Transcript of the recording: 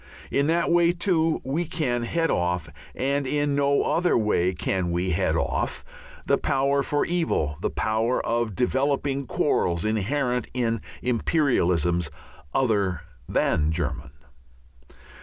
In that way, too, we can head off and in no other way can we head off the power for evil, the power of developing quarrels inherent in "imperialisms" other than German.